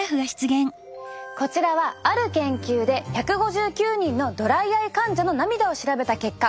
こちらはある研究で１５９人のドライアイ患者の涙を調べた結果。